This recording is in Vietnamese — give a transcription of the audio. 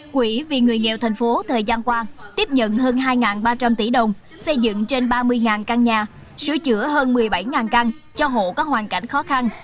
quỹ vì người nghèo thành phố thời gian qua tiếp nhận hơn hai ba trăm linh tỷ đồng xây dựng trên ba mươi căn nhà sửa chữa hơn một mươi bảy căn cho hộ có hoàn cảnh khó khăn